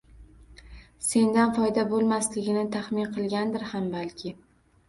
Sendan foyda bo‘lmasligini tahmin qilgandir ham balki.